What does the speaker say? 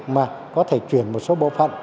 mà có thể chuyển một số bộ phận